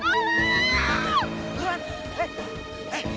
saya gak tersinggung